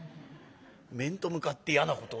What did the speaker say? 「面と向かって嫌なことを言うなあ。